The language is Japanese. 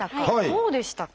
どうでしたか？